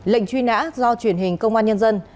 lệnh truy nã do truyền hình công an nhân dân